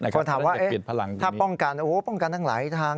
คนถามว่าถ้าป้องกันโอ้โหป้องกันทั้งหลายทาง